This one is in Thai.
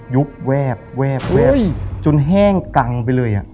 ยุบแวบจนแห้งกังไปเลย